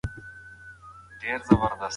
دی په خپل ژوند کې ډېرې سړې تودې لیدلي.